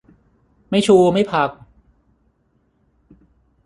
ไม่ชู ไม่ผัก